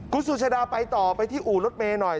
คุณสุชาดาไปต่อไปที่อู่รถเมย์หน่อย